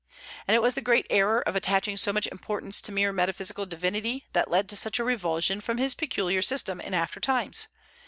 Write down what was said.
And it was the great error of attaching so much importance to mere metaphysical divinity that led to such a revulsion from his peculiar system in after times.